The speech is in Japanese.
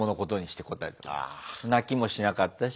泣きもしなかったし。